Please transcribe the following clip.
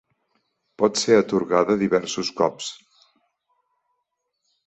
Pot ser atorgada diversos cops.